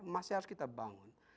masih harus kita bangun